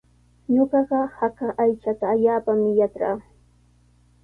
Ñuqaqa haka aychata allaapaami yatraa.